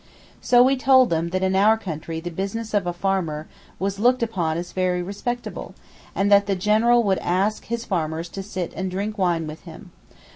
So we told them that in our country the business of a farmer was looked upon as very respectable, and that the General would ask his farmers to sit and drink wine with him.